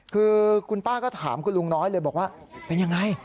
คือคุณป้าก็ถามคุณลุงน้อยเลยบอกว่าเป็นยังไง